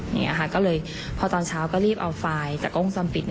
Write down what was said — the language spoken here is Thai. เนี่ยค่ะก็เลยพอตอนเช้าก็รีบเอาไฟล์จากโรงพยาบาลปิด